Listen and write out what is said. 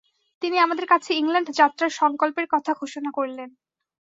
তিনি আমাদের কাছে ইংল্যান্ড যাত্রার সংকল্পের কথা ঘোষণা করলেন।